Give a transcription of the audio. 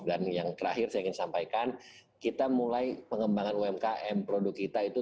dan yang terakhir saya ingin sampaikan kita mulai pengembangan umkm produk kita itu